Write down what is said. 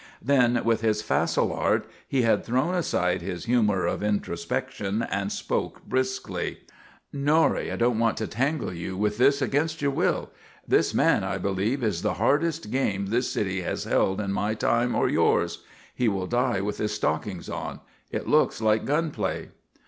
Then, with his facile art, he had thrown aside his humour of introspection and spoke briskly. "Norrie, I don't want to tangle you with this against your will. This man, I believe, is the hardest game this city has held in my time or yours. He will die with his stockings on. It looks like gun play."